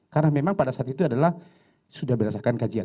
karena memang pada saat itu adalah sudah berdasarkan kajian